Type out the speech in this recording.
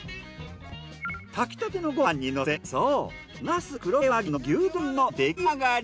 炊きたてのご飯にのせそう那須黒毛和牛の牛丼の出来上がり。